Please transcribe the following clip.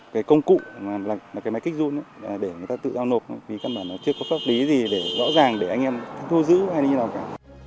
vì các bạn chưa có pháp lý gì để rõ ràng để anh em thu giữ hay như nào cả